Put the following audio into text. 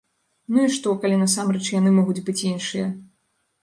Ну і што, калі насамрэч яны могуць быць іншыя.